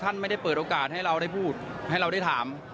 ท่านไม่ได้เปิดโอกาสให้เราได้พูดให้เราได้ถาม